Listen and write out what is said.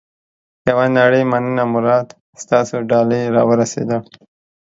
یوه نړۍ مننه مراد. ستاسو ډالۍ را ورسېده.